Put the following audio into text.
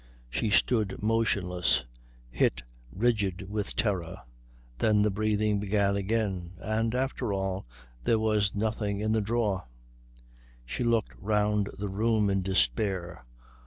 She stood motionless, hit rigid with terror. Then the breathing began again; and, after all, there was nothing in the drawer. She looked round the room in despair.